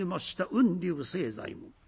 雲流清左衛門。